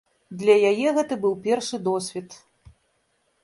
Для яе гэта быў першы досвед.